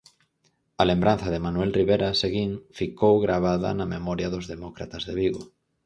A lembranza de Manuel Ribera Seguín ficou gravada na memoria dos demócratas de Vigo.